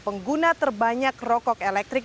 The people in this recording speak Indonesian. pengguna terbanyak rokok elektrik